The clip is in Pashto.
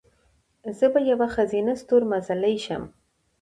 زه به یوه ښځینه ستورمزلې شم."